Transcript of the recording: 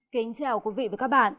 kính chào quý vị và các bạn